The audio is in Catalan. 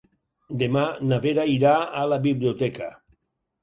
Demà na Vera irà a la biblioteca.